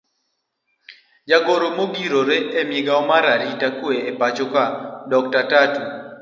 Jagoro maongirore e migao mar arita kwe e pachoka dr.Tatu